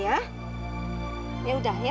ya yaudah ya